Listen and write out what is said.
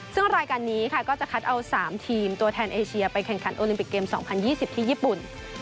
ซึ่งรายการนี้ค่ะก็จะคัดเอา๓ทีมตัวแทนเอเชียไปแข่งขันโอลิมปิกเกม๒๐๒๐ที่ญี่ปุ่น